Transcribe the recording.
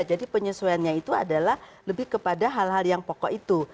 jadi penyesuaiannya itu adalah lebih kepada hal hal yang pokok itu